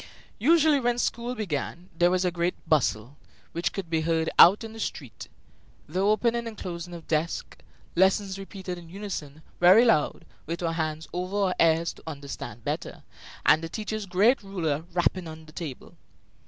Usually, when school began, there was a great bustle, which could be heard out in the street, the opening and closing of desks, lessons repeated in unison, very loud, with our hands over our ears to understand better, and the teacher's great ruler rapping on the table.